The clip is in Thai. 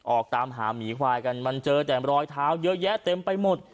ออกตามหาหมีควายกันมันเจอแต่รอยเท้าเยอะแยะเต็มไปหมด